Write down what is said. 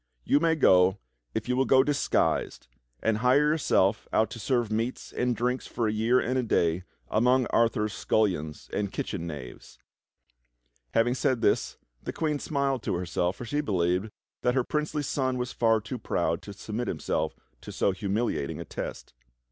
"You may go if you will go disguised, and hire yourself out to serve meats and drinks for a year and a day among Arthur's scullions and kitchen knaves." Having said this, the Queen smiled to herself, for she believed 40 THE STORY OF KING ARTHUR that her princely son was far too proud to submit himself to so humiliating a test.